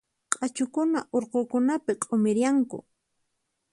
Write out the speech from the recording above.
Q'achukuna urqukunapi q'umirianku.